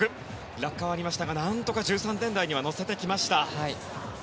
落下はありましたが、何とか１３点台には乗せてきました。